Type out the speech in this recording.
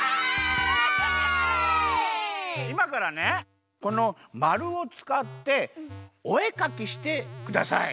いまからねこのまるをつかっておえかきしてください。